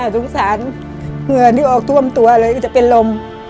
สงสารเหงื่อที่ออกท่วมตัวเลยก็จะเป็นลม